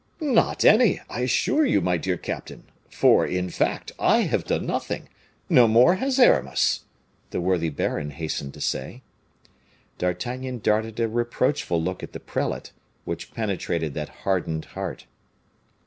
"Not any, I assure you, my dear captain; for, in fact, I have done nothing, no more has Aramis," the worthy baron hastened to say. D'Artagnan darted a reproachful look at the prelate, which penetrated that hardened heart.